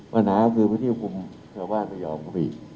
ปัญหาก็คือพื้นที่ควบคุมเจ้าบ้านประเยาะมันก็มี